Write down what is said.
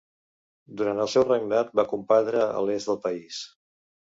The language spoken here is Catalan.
Durant el seu regnat va combatre a l'est del país.